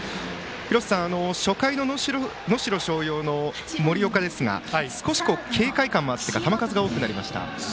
廣瀬さん、初回の能代松陽の森岡ですが少し警戒感もあって球数も多くなりました。